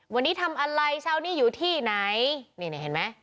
วันนี้ทำอะไรเช้านี้อยู่ที่ไหนนี่นี่เห็นไหม